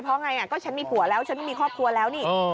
เพราะฉันมีผัวแล้วฉันมีครอบครัวแล้ว